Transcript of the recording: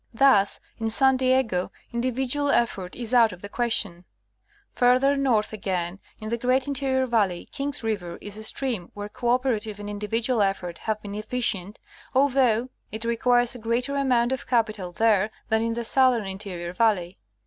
Thus in San Diego, individual effort is out of the question. Farther north again, in the great interior valley. King's river is a stream where cooperative and individual effort have been efficient, although it requires a greater amount of capital there than in the southern interior valley.